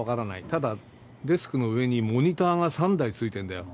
ただ、デスクの上にモニターが３台ついてんだよ。